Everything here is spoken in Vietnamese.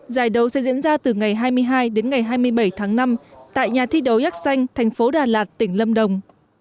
giải đấu sẽ diễn ra từ ngày hai mươi hai đến ngày hai mươi bảy tháng năm tại nhà thi đấu ác xanh thành phố đà lạt tỉnh lâm đồng